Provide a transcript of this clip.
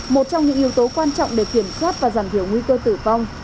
một trong những yếu tố quan trọng để kiểm soát và giảm thiểu nguy cơ tử vong